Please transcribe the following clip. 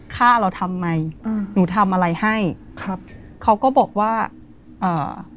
ฆ่าเราทำไมอืมหนูทำอะไรให้ครับเขาก็บอกว่าอ่า